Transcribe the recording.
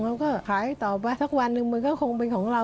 มันก็ขายต่อไปสักวันหนึ่งมันก็คงเป็นของเรา